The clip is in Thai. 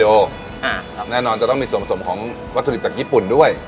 แน่นอนจะต้องมีส่วนผสมของวัตถุดิบจากญี่ปุ่นด้วย